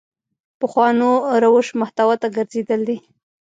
پخوانو روش محتوا ته ګرځېدل دي.